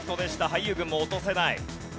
俳優軍も落とせない。